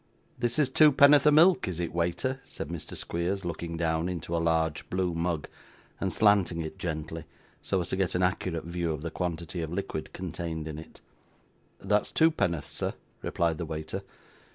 'This is twopenn'orth of milk, is it, waiter?' said Mr. Squeers, looking down into a large blue mug, and slanting it gently, so as to get an accurate view of the quantity of liquid contained in it. 'That's twopenn'orth, sir,' replied the waiter.